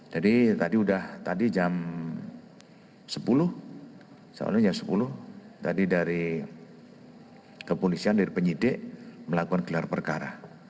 jadi tadi sudah jam sepuluh saat ini jam sepuluh tadi dari kepolisian dari penyidik melakukan gelar perkara